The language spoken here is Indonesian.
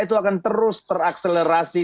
itu akan terus terakselerasi